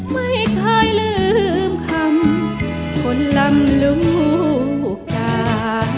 ไม่เคยลืมคำคนลำลูกกา